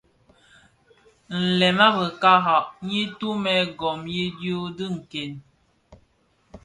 Lèn a kirara nyi tumè gom i dhyu di nken.